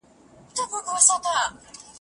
په دې ګودر د ادم لوڼو د ښېراوو تږیه !